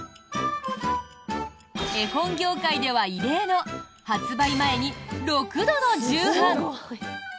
絵本業界では異例の発売前に６度の重版！